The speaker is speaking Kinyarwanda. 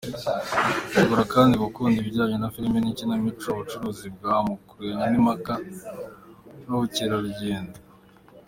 Ashobora kandi gukunda ibijyanye na filime n’amakinamico, ubucuruzi bwambukiranya imipaka n’ubukerarugendo.